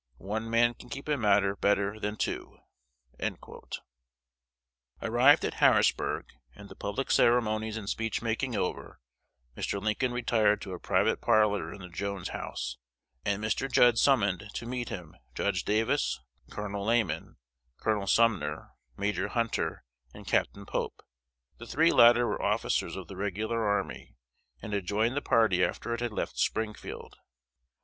One man can keep a matter better than two." Arrived at Harrisburg, and the public ceremonies and speech making over, Mr. Lincoln retired to a private parlor in the Jones House; and Mr. Judd summoned to meet him Judge Davis, Col. Lamon, Col. Sumner, Major Hunter, and Capt. Pope. The three latter were officers of the regular army, and had joined the party after it had left Springfield.